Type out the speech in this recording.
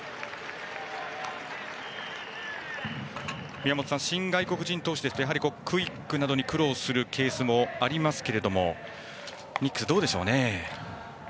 宮本さん、新外国人投手ですとクイックなどに苦労するケースもありますけれどもニックス、どうでしょうね。